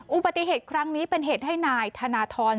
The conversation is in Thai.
อุบัติเหตุครั้งนี้เป็นเหตุให้นายธนทร